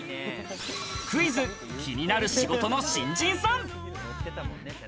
クイズ、気になる仕事の新人さん。